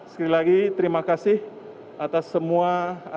sekali lagi terima kasih atas semua